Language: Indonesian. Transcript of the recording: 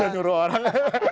jangan nyuruh orang